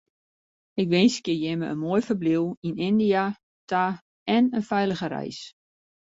Ik winskje jimme in moai ferbliuw yn Yndia ta en in feilige reis.